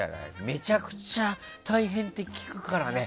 めちゃくちゃ大変って聞くからね。